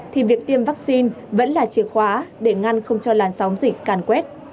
thì việc tiêm vaccine vẫn là chìa khóa để ngăn không cho làn sóng dịch càn quét